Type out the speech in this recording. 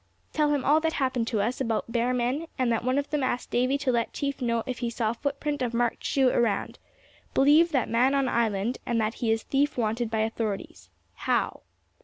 Tell him all that happened to us, about bear men, and that one of them asked Davy to let chief know if he saw footprint of marked shoe around. Believe that man on island, and that he is thief wanted by authorities. How?"